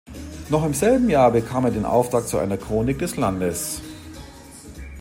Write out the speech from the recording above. Noch im selben Jahr bekam er den Auftrag zu einer Chronik des Landes.